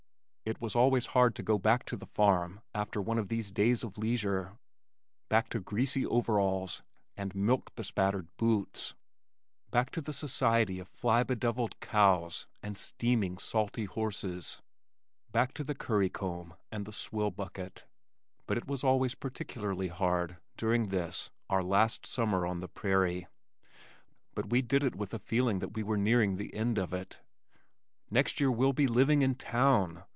It was always hard to go back to the farm after one of these days of leisure back to greasy overalls and milk bespattered boots, back to the society of fly bedevilled cows and steaming, salty horses, back to the curry comb and swill bucket, but it was particularly hard during this our last summer on the prairie. But we did it with a feeling that we were nearing the end of it. "Next year we'll be living in town!"